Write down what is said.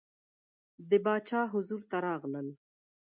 د باچا حضور ته راغلل.